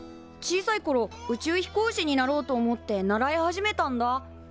小さいころ宇宙飛行士になろうと思って習い始めたんだ。